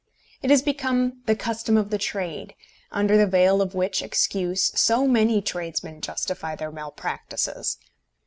It has become "the custom of the trade," under the veil of which excuse so many tradesmen justify their malpractices!